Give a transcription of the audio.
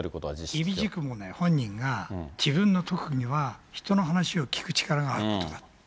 いみじくも本人は自分の特技は人の話を聞く力があると。